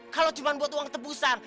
kalau cuma buat uang tebusan